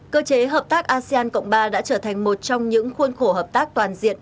cơ chế hợp tác asean cộng ba đã trở thành một trong những khuôn khổ hợp tác toàn diện